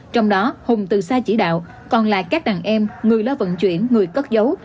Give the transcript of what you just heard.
trong đó hùng từ xa chỉ đạo còn là các đàn em người lo vận chuyển người cất dấu